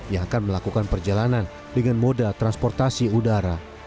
yang akan melakukan perjalanan dengan moda transportasi udara